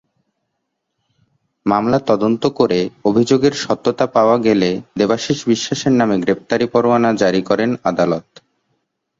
মামলা তদন্ত করে অভিযোগের সত্যতা পাওয়া গেলে দেবাশীষ বিশ্বাসের নামে গ্রেফতারী-পরোয়ানা জারি করেন আদালত।